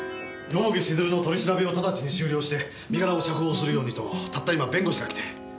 蓬城静流の取り調べを直ちに終了して身柄を釈放するようにとたった今弁護士が来て。